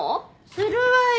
するわよ